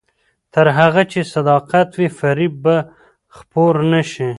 تر هغه چې صداقت وي، فریب به خپور نه شي.